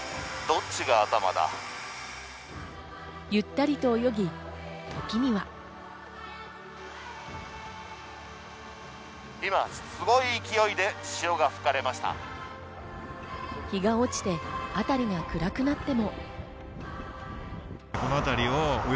ゆったりと泳ぎ、時には。日が落ちて辺りが暗くなっても。